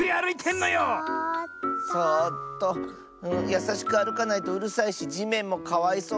やさしくあるかないとうるさいしじめんもかわいそうだし。